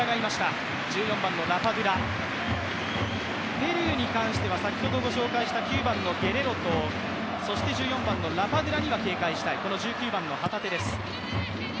ペルーに関しては９番のゲレロとそして１４番のラパドゥラには警戒したい、この１９番の旗手です。